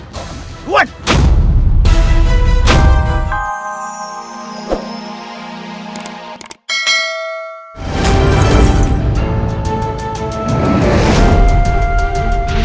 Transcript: kau akan mati